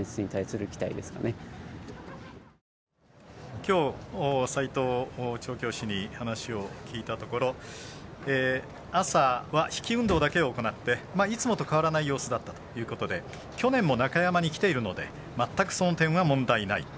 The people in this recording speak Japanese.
きょう、斉藤調教師に話を聞いたところ朝はひき運動だけを行っていつもと変わらない様子だったということで去年も中山に来ているので全くその点は問題ない。